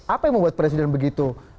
apa yang membuat presiden begitu